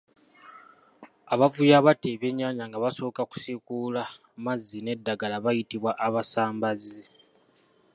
Abavubi abatta ebyennyanja nga basooka kusiikuula mazzi n'eddagala bayitibwa abasambazzi.